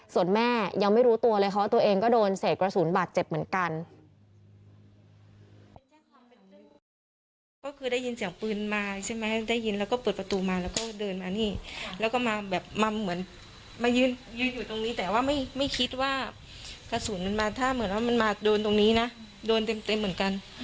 ส่วนแม่ยังไม่รู้ตัวเลยเพราะว่าตัวเองก็โดนเสกกระสุนบาดเจ็บเหมือนกัน